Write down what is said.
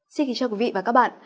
xin kính chào quý vị và các bạn